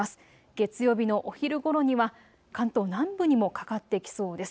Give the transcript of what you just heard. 月曜日のお昼ごろには関東南部にもかかってきそうです。